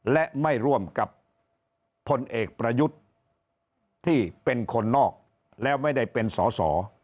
และไม่ร่วมกับพลเอกประยุทธ์ที่เป็นคนนอกแล้วไม่ได้เป็นสอสอ